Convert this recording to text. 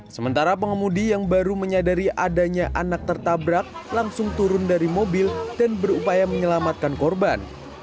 sementara pengemudi yang baru menyadari adanya anak tertabrak langsung turun dari mobil dan berupaya menyelamatkan korban